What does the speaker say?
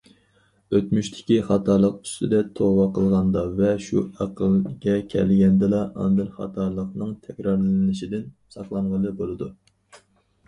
ئۆتمۈشتىكى خاتالىق ئۈستىدە توۋا قىلغاندا ۋە شۇ ئەقىلگە كەلگەندىلا، ئاندىن خاتالىقنىڭ تەكرارلىنىشىدىن ساقلانغىلى بولىدۇ.